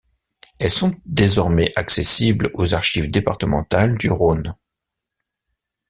Elles sont désormais accessibles aux Archives départementales du Rhône.